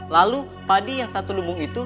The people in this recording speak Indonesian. lalu padi yang satu lumbung itu